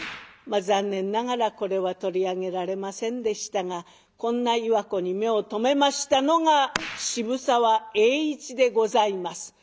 残念ながらこれは取り上げられませんでしたがこんな岩子に目を留めましたのが渋沢栄一でございます。